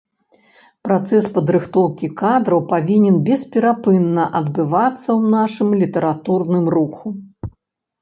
Працэс падрыхтоўкі кадраў павінен бесперапынна адбывацца ў нашым літаратурным руху.